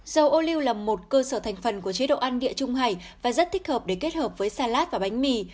dầu ô liu là một cơ sở thành phần của chế độ ăn địa trung hải và rất thích hợp để kết hợp với salad và bánh mì